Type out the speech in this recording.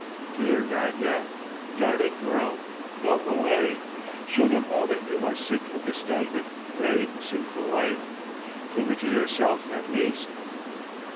Dear Nadya, darling girl, go away! Show them all that you are sick of this stagnant, grey, sinful life. Prove it to yourself at least!"